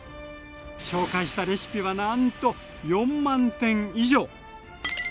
紹介したレシピはなんと４万点以上！